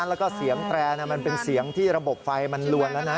แล้วก็เสียงแตรมันเป็นเสียงที่ระบบไฟมันลวนแล้วนะ